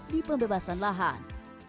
di pembebasan lahan